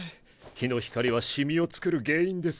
日の光はシミを作る原因です。